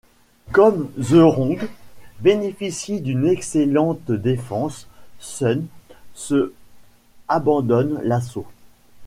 Comme Ze Rong bénéficie d'une excellente défense, Sun Ce abandonne l’assaut.